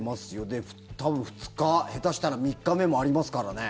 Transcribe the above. で、多分２日下手したら３日目もありますからね。